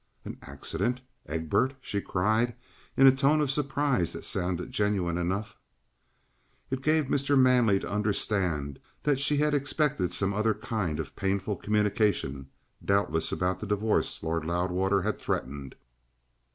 "An accident? Egbert?" she cried, in a tone of surprise that sounded genuine enough. It gave Mr. Manley to understand that she had expected some other kind of painful communication doubtless about the divorce Lord Loudwater had threatened.